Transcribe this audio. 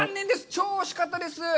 超惜しかったです。